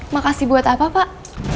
makasih buat apa pak